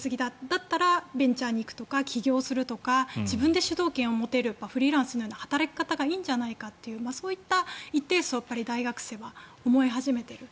だったらベンチャーに行くとか起業するとか自分で主導権を持てるフリーランスのような働き方がいいんじゃないかというそういった一定層、大学生は思い始めている。